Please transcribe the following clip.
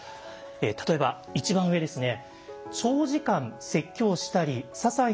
例えば一番上ですね。